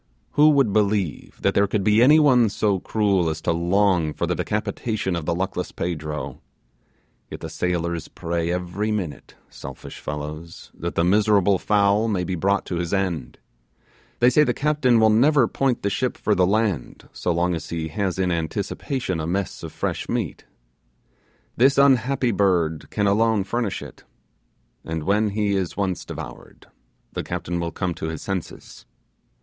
Who would believe that there could be any one so cruel as to long for the decapitation of the luckless Pedro; yet the sailors pray every minute, selfish fellows, that the miserable fowl may be brought to his end. They say the captain will never point the ship for the land so long as he has in anticipation a mess of fresh meat. This unhappy bird can alone furnish it; and when he is once devoured, the captain will come to his senses.